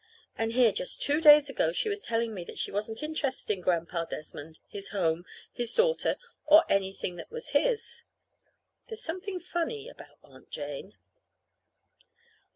And here, just two days ago, she was telling me that she wasn't interested in Grandpa Desmond, his home, or his daughter, or anything that was his! There's something funny about Aunt Jane.